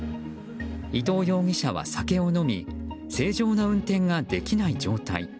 伊藤容疑者は酒を飲み正常な運転ができない状態。